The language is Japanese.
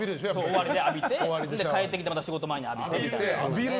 終わりで、浴びて帰ってきて、仕事前に浴びて。